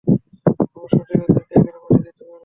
এক শটেই ওদেরকে এখানে পাঠিয়ে দিতে পারবে।